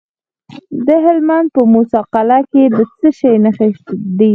د هلمند په موسی قلعه کې د څه شي نښې دي؟